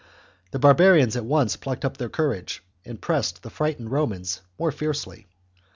The barbarians at once plucked up their courage, and pressed the frightened Romans more fiercely.